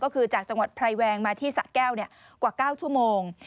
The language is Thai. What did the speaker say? ก็คือจากจังหวัดไพรแวงมาที่สะแก้วกว่า๙ชั่วโมง